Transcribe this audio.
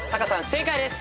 正解です。